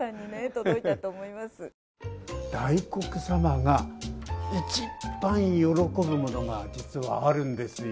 大黒様が一番喜ぶものが実はあるんですよ。